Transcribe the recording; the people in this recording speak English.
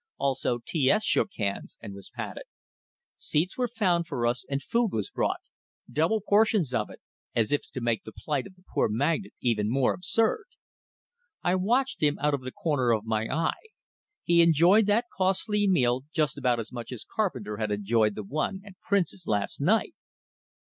Also T S shook hands, and was patted. Seats were found for us, and food was brought double portions of it, as if to make the plight of the poor magnate even more absurd! I watched him out of the corner of my eye; he enjoyed that costly meal just about as much as Carpenter had enjoyed the one at Prince's last night!